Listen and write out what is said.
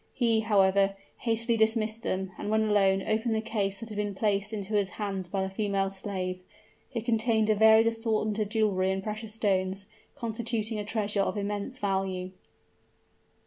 He, however, hastily dismissed them, and when alone, opened the case that had been placed into his hands by the female slave. It contained a varied assortment of jewelry and precious stones, constituting a treasure of immense value.